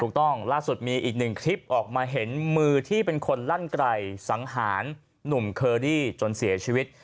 ล่าสุดมีอีกหนึ่งคลิปออกมาเห็นมือที่เป็นคนลั่นไกลสังหารหนุ่มเคอรี่จนเสียชีวิต